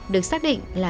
được xác định là